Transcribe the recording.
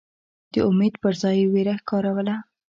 د امید پر ځای یې وېره ښکاروله.